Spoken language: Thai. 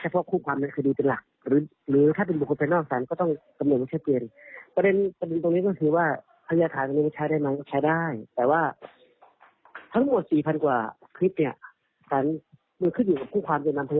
ฟังเสียงทนายเกิดผลกันหน่อยค่ะ